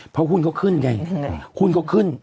เพราะหุ้นเขาขึ้นไงหุ้นก็ขึ้น